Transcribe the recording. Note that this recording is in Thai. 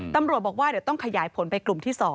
ตำรวจบอกว่าเดี๋ยวต้องขยายผลไปกลุ่มที่๒